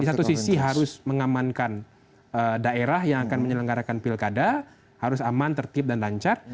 di satu sisi harus mengamankan daerah yang akan menyelenggarakan pilkada harus aman tertib dan lancar